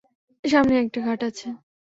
সামনেই একটা ঘাট আছে।